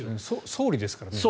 総理ですからね。